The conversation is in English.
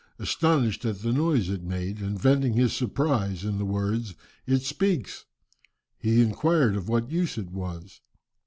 Astonished at the noise it made, and venting his surprise in the words, "It speaks!" he inquired of what use it was.